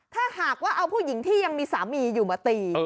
ถ้าหากว่าเอาผู้หญิงที่ยังมีสามีอยู่มาตี